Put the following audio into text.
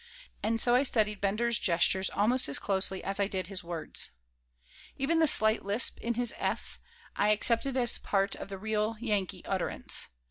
And so I studied Bender's gestures almost as closely as I did his words Even the slight lisp in his "s" I accepted as part of the "real Yankee" utterance.